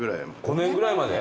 ５年ぐらいまで？